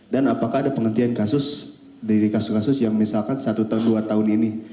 dan apakah ada penghentian kasus dari kasus kasus yang misalkan satu tahun dua tahun ini